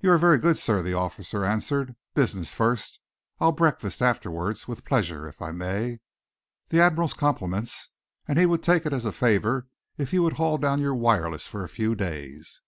"You are very good, sir," the officer answered. "Business first. I'll breakfast afterwards, with pleasure, if I may. The Admiral's compliments, and he would take it as a favour if you would haul down your wireless for a few days."